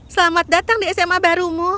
selamat datang di sma barumu